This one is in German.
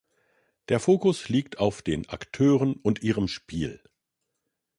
Der Fokus liegt auf den Akteuren und ihrem Spiel.